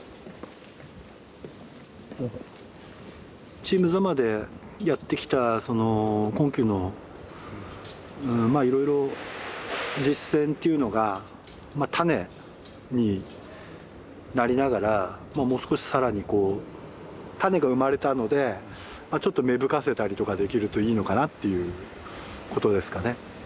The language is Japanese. チーム座間でやってきたその困窮のいろいろ実践っていうのが種になりながらもう少し更にこう種が生まれたのでちょっと芽吹かせたりとかできるといいのかなということですかね。